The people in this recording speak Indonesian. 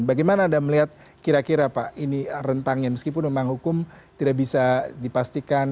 bagaimana anda melihat kira kira pak ini rentangnya meskipun memang hukum tidak bisa dipastikan